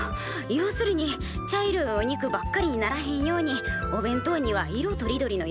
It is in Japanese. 要するに茶色いお肉ばっかりにならへんようにお弁当には色とりどりの野菜を入れなあかん